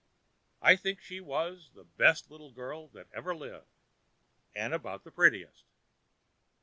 I think she was the best little girl that ever lived, and about the prettiest.